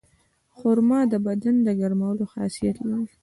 خرما د بدن د ګرمولو خاصیت لري.